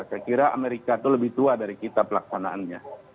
saya kira amerika itu lebih tua dari kita pelaksanaannya